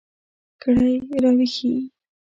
کړئ را ویښې